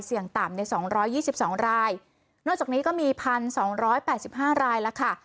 เสี่ยงต่ำในสองร้อยยี่สิบสองรายนอกจากนี้ก็มีพันสองร้อยแปดสิบห้ารายแล้วค่ะ